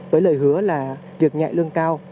với lời hứa là việc nhạy lương cao